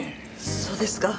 そうですか。